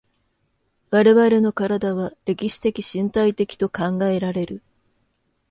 我々の身体は歴史的身体的と考えられる。